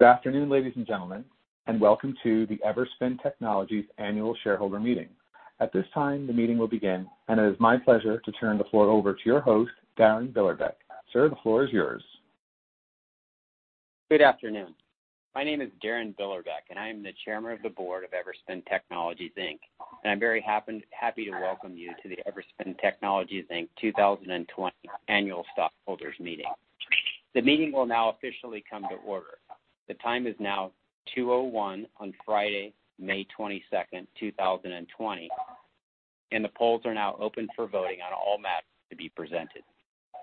Good afternoon, ladies and gentlemen, and welcome to the Everspin Technologies Annual Shareholder Meeting. At this time, the meeting will begin, and it is my pleasure to turn the floor over to your host, Darin Billerbeck, Sir, the floor is yours. Good afternoon. My name is Darin Billerbeck, I am the Chairman of the Board of Everspin Technologies Inc. I'm very happy to welcome you to the Everspin Technologies Inc 2020 annual stockholders meeting. The meeting will now officially come to order. The time is now 2:01 P.M. on Friday, May 22nd, 2020, the polls are now open for voting on all matters to be presented.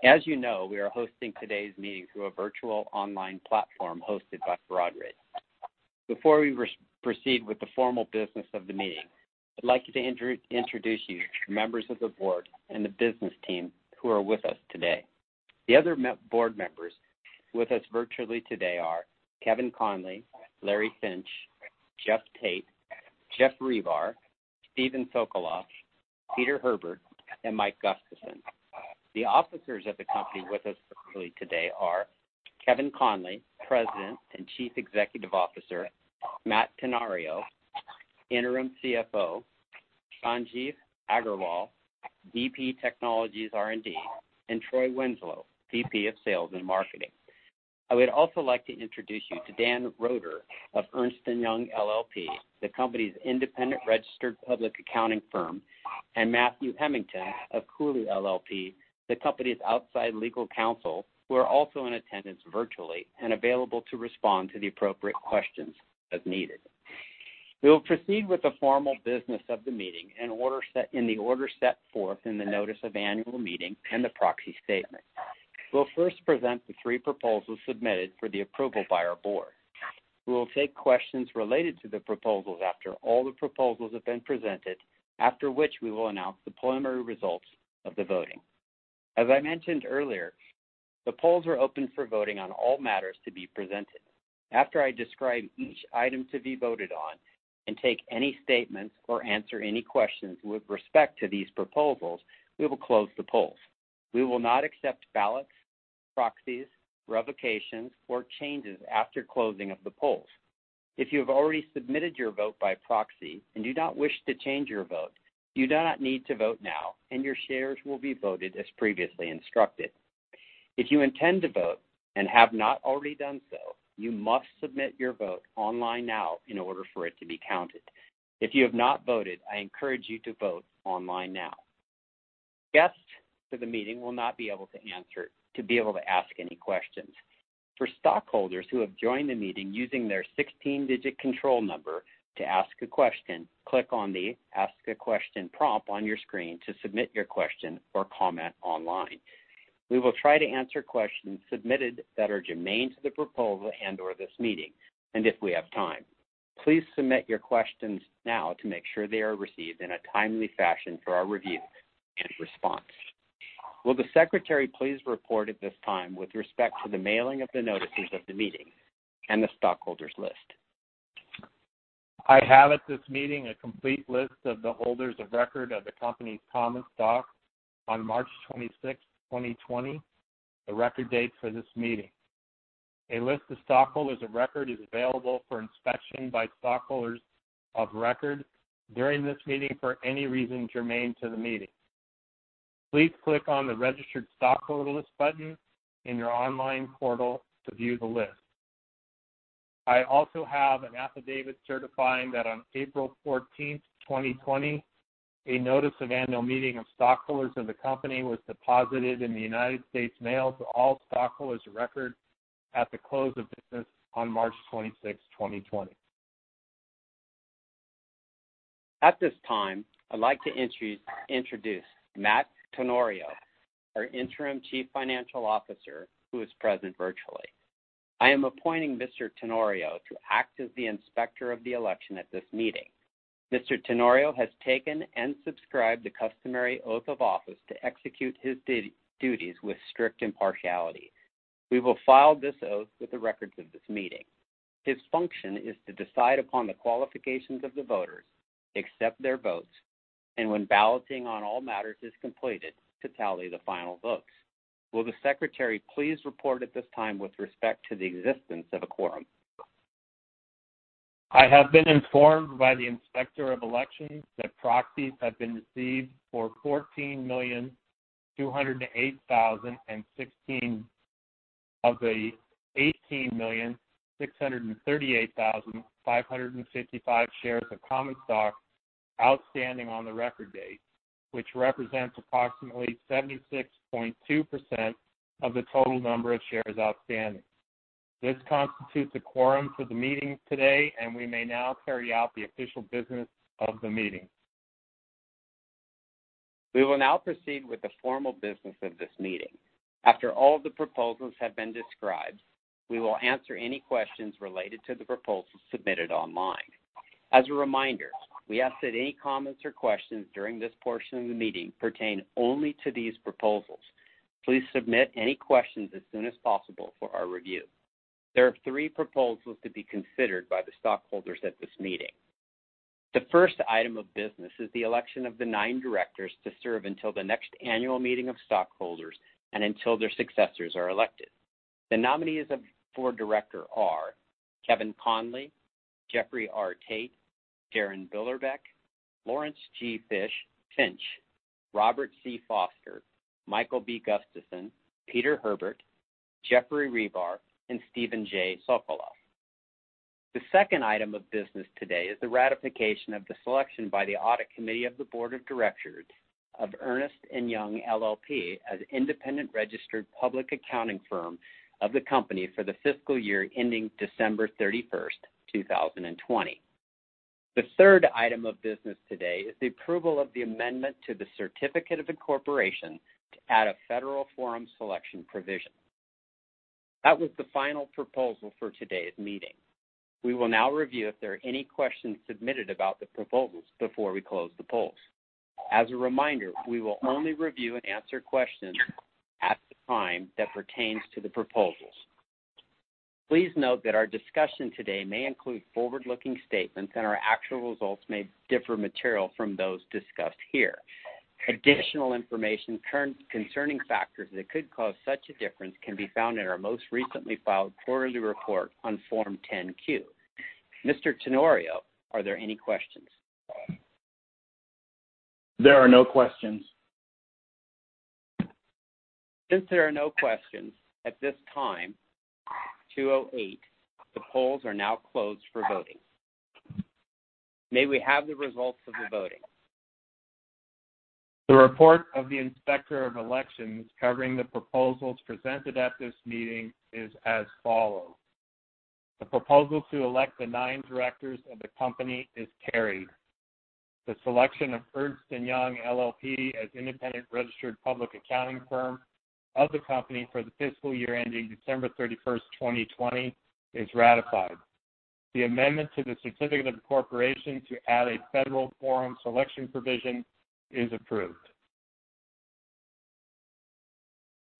As you know, we are hosting today's meeting through a virtual online platform hosted by Broadridge. Before we proceed with the formal business of the meeting, I'd like to introduce you to members of the board and the business team who are with us today. The other board members with us virtually today are Kevin Conley, Larry Finch, Jeff Tate, Jeff Ribar, Steven Socolof, Peter Hébert, and Mike Gustafson. The officers of the company with us virtually today are Kevin Conley, President and Chief Executive Officer, Matt Tenorio, Interim CFO, Sanjeev Aggarwal, VP Technology R&D, and Troy Winslow, VP of Sales and Marketing. I would also like to introduce you to Dan Roeder of Ernst & Young LLP, the company's independent registered public accounting firm, and Matthew Hemington of Cooley LLP, the company's outside legal counsel, who are also in attendance virtually and available to respond to the appropriate questions as needed. We will proceed with the formal business of the meeting in the order set forth in the notice of annual meeting and the proxy statement. We'll first present the three proposals submitted for the approval by our board. We will take questions related to the proposals after all the proposals have been presented, after which we will announce the preliminary results of the voting. As I mentioned earlier, the polls are open for voting on all matters to be presented. After I describe each item to be voted on and take any statements or answer any questions with respect to these proposals, we will close the polls. We will not accept ballots, proxies, revocations, or changes after closing of the polls. If you have already submitted your vote by proxy and do not wish to change your vote, you do not need to vote now, and your shares will be voted as previously instructed. If you intend to vote and have not already done so, you must submit your vote online now in order for it to be counted. If you have not voted, I encourage you to vote online now. Guests to the meeting will not be able to ask any questions. For stockholders who have joined the meeting using their 16-digit control number to ask a question, click on the Ask a Question prompt on your screen to submit your question or comment online. We will try to answer questions submitted that are germane to the proposal and/or this meeting, and if we have time. Please submit your questions now to make sure they are received in a timely fashion for our review and response. Will the secretary please report at this time with respect to the mailing of the notices of the meeting and the stockholders list? I have at this meeting a complete list of the holders of record of the company's common stock on March 26th, 2020, the record date for this meeting. A list of stockholders of record is available for inspection by stockholders of record during this meeting for any reason germane to the meeting. Please click on the Registered Stockholder List button in your online portal to view the list. I also have an affidavit certifying that on April 14th, 2020, a notice of annual meeting of stockholders of the company was deposited in the United States Mail to all stockholders of record at the close of business on March 26th, 2020. At this time, I'd like to introduce Matt Tenorio, our Interim Chief Financial Officer, who is present virtually. I am appointing Mr. Tenorio to act as the inspector of the election at this meeting. Mr. Tenorio has taken and subscribed the customary oath of office to execute his duties with strict impartiality. We will file this oath with the records of this meeting. His function is to decide upon the qualifications of the voters, accept their votes, and when balloting on all matters is completed, to tally the final votes. Will the secretary please report at this time with respect to the existence of a quorum? I have been informed by the Inspector of Elections that proxies have been received for 14,208,016 of the 18,638,555 shares of common stock outstanding on the record date, which represents approximately 76.2% of the total number of shares outstanding. This constitutes a quorum for the meeting today, and we may now carry out the official business of the meeting. We will now proceed with the formal business of this meeting. After all of the proposals have been described, we will answer any questions related to the proposals submitted online. As a reminder, we ask that any comments or questions during this portion of the meeting pertain only to these proposals. Please submit any questions as soon as possible for our review. There are three proposals to be considered by the stockholders at this meeting. The first item of business is the election of the nine directors to serve until the next annual meeting of stockholders and until their successors are elected. The nominees up for director are Kevin Conley, Geoffrey R. Tate, Darin Billerbeck, Lawrence G. Finch, Ronald C. Foster, Michael B. Gustafson, Peter Hébert, Jeffrey Ribar, and Steven J. Socolof. The second item of business today is the ratification of the selection by the Audit Committee of the Board of Directors of Ernst & Young LLP as independent registered public accounting firm of the company for the fiscal year ending December 31st, 2020. The third item of business today is the approval of the amendment to the certificate of incorporation to add a federal forum selection provision. That was the final proposal for today's meeting. We will now review if there are any questions submitted about the proposals before we close the polls. As a reminder, we will only review and answer questions at the time that pertains to the proposals. Please note that our discussion today may include forward-looking statements, and our actual results may differ material from those discussed here. Additional information concerning factors that could cause such a difference can be found in our most recently filed quarterly report on Form 10-Q. Mr. Tenorio, are there any questions? There are no questions. Since there are no questions at this time, the polls are now closed for voting. May we have the results of the voting? The report of the Inspector of Elections covering the proposals presented at this meeting is as follows. The proposal to elect the nine directors of the company is carried. The selection of Ernst & Young LLP as independent registered public accounting firm of the company for the fiscal year ending December 31st, 2020 is ratified. The amendment to the certificate of incorporation to add a federal forum selection provision is approved.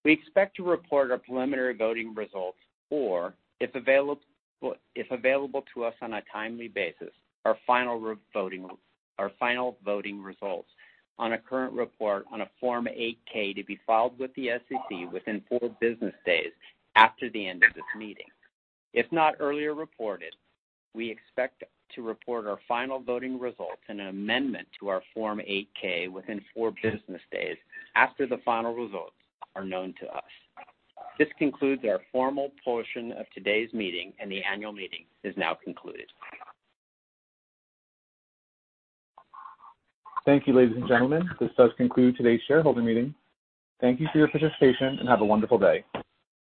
We expect to report our preliminary voting results or, if available to us on a timely basis, our final voting results on a current report on a Form 8-K to be filed with the SEC within four business days after the end of this meeting. If not earlier reported, we expect to report our final voting results in an amendment to our Form 8-K within four business days after the final results are known to us. This concludes our formal portion of today's meeting, and the annual meeting is now concluded. Thank you, ladies and gentlemen. This does conclude today's shareholder meeting. Thank you for your participation, and have a wonderful day.